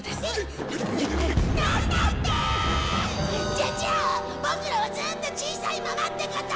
じゃじゃあボクらはずっと小さいままってこと！？